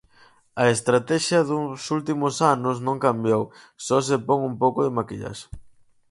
A estratexia dos últimos anos non cambiou, só se pon un pouco de maquillaxe.